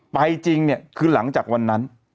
จริงเนี่ยคือหลังจากวันนั้น